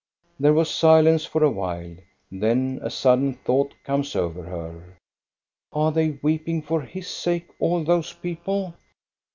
There was silence for a while; then a sudden thought comes over her. "Are they weeping for his sake, all those peo ple